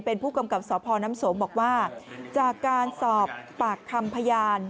เป็นผู้กำกับสพน้ำสมบอกว่าจากการสอบปากคำพยาน